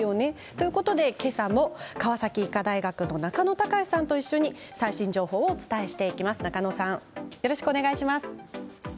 いうことで今朝も川崎医科大学の中野貴司さんと一緒に最新情報をお伝えしていきます。